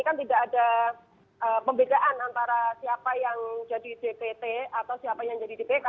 kan tidak ada pembedaan antara siapa yang jadi dpt atau siapa yang jadi dpk